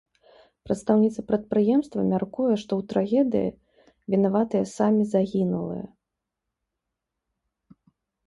Прадстаўніца прадпрыемства мяркуе, што ў трагедыі вінаватыя самі загінулыя.